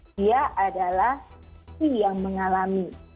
dia adalah si yang mengalami